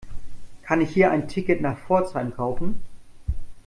Kann ich hier ein Ticket nach Pforzheim kaufen?